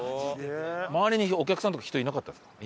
周りにお客さんとか人いなかったんですか？